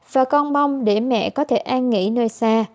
và con mong để mẹ có thể an nghỉ nơi xa